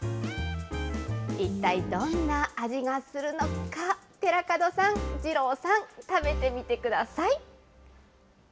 一体どんな味がするのか、寺門さん、二郎さん、食べてみてください。